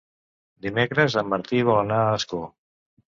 Dimecres en Martí vol anar a Ascó.